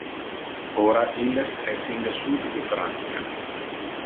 Ora illes es in le sud de Francia.